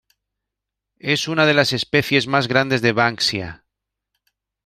Es una de las especies más grandes de "Banksia".